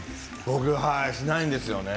僕しないんですね。